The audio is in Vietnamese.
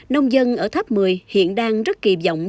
nông dân ở tháp một mươi hiện đang rất kỳ vọng